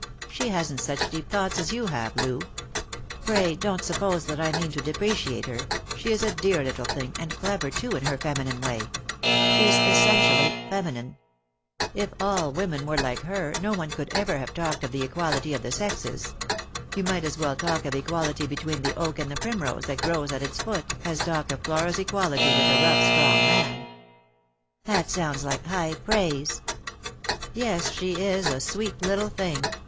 She hasn't such deep thoughts as you have, Loo. Pray don't suppose that I mean to depreciate her ; she is a dear little thing, and clever too in her feminine way ; she's essentially feminine. If all women were like her, no one could ever have talked of the equality of the sexes. You might as well talk of equality between the oak and the primrose that grows at its foot, as talk of Flora's equality with a rough strong man." " That sounds like high praise." " Yes, she is a sweet little thing.